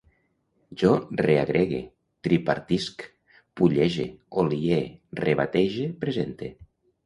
Jo reagregue, tripartisc, pullege, olie, rebatege, presente